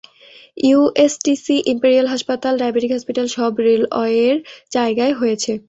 USTC, imperial হাসপাতাল, diabetes হাসপাতাল সব রেলওয়ের জায়গায় হয়েছে।